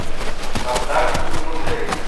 په اخلاقو کې نوم لري.